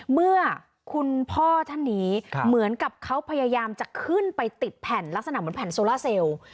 เมื่อคุณพ่อท่านนี้เหมือนกับเขาพยายามจะขึ้นไปติดแผ่นลักษณะเหมือนแผ่นโซล่าเซลล์